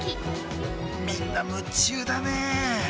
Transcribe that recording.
みんな夢中だね。